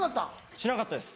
しなかったです。